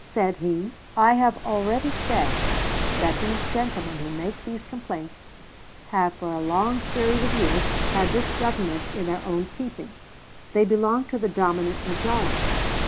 Said he: I have already said that these gentlemen who make these complaints have for a long series of years had this Government in their own keeping. They belong to the dominant majority....